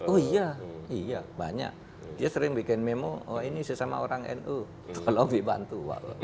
oh iya banyak dia sering bikin memo oh ini sesama orang nu tolong dibantu